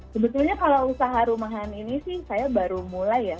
sebetulnya kalau usaha rumahan ini sih saya baru mulai ya